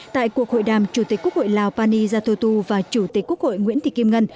tại cuộc hội đàm chủ tịch quốc hội lào pani yathotu và chủ tịch quốc hội nguyễn thị kim ngân